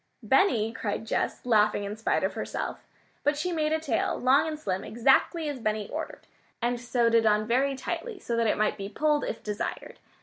"Benny!" cried Jess, laughing in spite of herself. But she made a tail, long and slim, exactly as Benny ordered, and sewed it on very tightly, so that it might be "pulled" if desired.